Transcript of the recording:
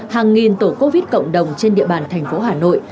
hàng nghìn tổ covid cộng đồng trên địa bàn thành phố hà nội